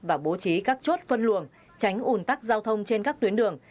và bố trí các chốt phân luồng tránh ủn tắc giao thông trên các tuyến đường